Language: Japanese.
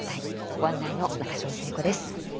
ご案内の中條誠子です。